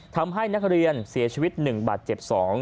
ทำให้นักเรียนเสียชีวิต๑บาทเจ็บ๒